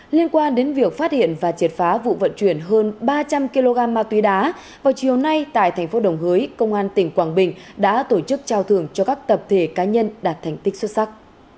liên quan đến việc phát hiện và triệt phá vụ vận chuyển hơn ba trăm linh kg ma túy đá vào chiều nay tại thành phố đồng hới công an tỉnh quảng bình đã tổ chức trao thưởng cho các tập thể cá nhân đạt thành tích xuất sắc